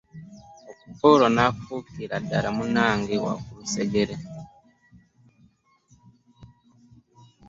Okuv aolwo nafuukira ddala munnange ow'okulusegere .